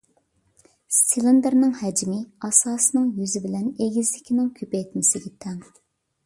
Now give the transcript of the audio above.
سىلىندىرنىڭ ھەجمى، ئاساسىنىڭ يۈزى بىلەن ئېگىزلىكىنىڭ كۆپەيتمىسىگە تەڭ.